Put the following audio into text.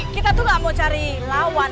kita tuh gak mau cari lawan